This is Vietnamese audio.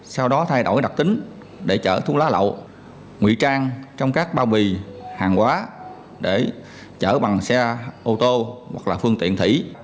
sau đó thay đổi đặc tính để chở thuốc lá lậu ngụy trang trong các bao bì hàng hóa để chở bằng xe ô tô hoặc là phương tiện thủy